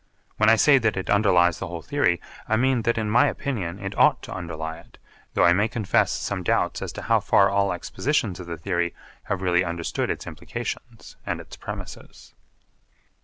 When I say that it underlies the whole theory, I mean that in my opinion it ought to underlie it, though I may confess some doubts as to how far all expositions of the theory have really understood its implications and its premises.